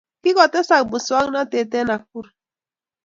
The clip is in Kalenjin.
Kikotesak muswagnatet en Nakuru